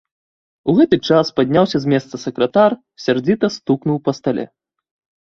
У гэты час падняўся з месца сакратар, сярдзіта стукнуў па стале.